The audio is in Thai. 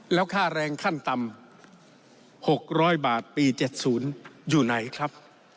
แล้วค่าแรงขั้นต่ำ๖๐๐บาทปี๗๐อยู่ไหนครับ